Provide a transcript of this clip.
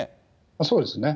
そうですね。